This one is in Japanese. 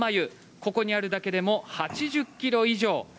ここにあるだけでも８０ｋｇ以上。